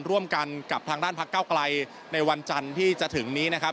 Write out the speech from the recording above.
ร่วมกันกับทางด้านพักเก้าไกลในวันจันทร์ที่จะถึงนี้นะครับ